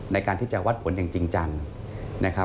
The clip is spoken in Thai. ในการที่จะวัดผลอย่างจริงจังนะครับ